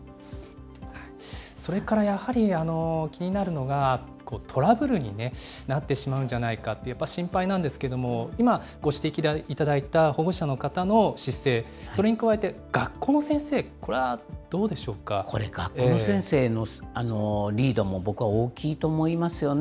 それからやはり、気になるのが、トラブルになってしまうんじゃないかって心配なんですけども、今、ご指摘いただいた、保護者の方の姿勢、それに加えて学校の先生、これ、学校の先生のリードも僕は大きいと思いますよね。